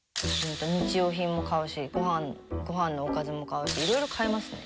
日用品も買うしご飯のおかずも買うし色々買いますね。